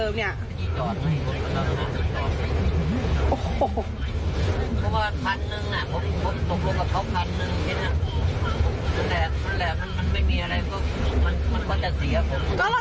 ให้เห็นใจกงวล้างดีครับ